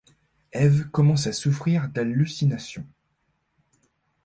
Eve commence à souffrir d'hallucinations.